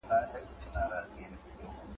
د عقل ونډه په انتخاب کي مهمه ده.